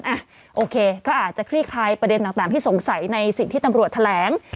อ่ะโอเคก็อาจจะคลี่คลายประเด็นต่างที่สงสัยในสิ่งที่ตำรวจแถลง